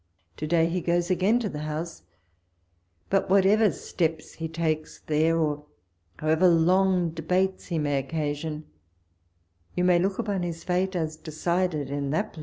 To day he goes again to the House, but whatever steps he takes there, or however long debates he may occasion, you may look upon his fate as decided in that place.